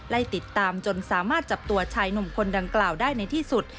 ไล่ติดตามจนสามารถจับตัวชายหนุ่มคนดังกล่าวได้ในที่สุด